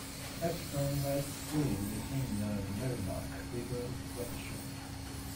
Epsom lies fully within the Merrimack River watershed.